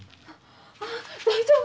あ大丈夫？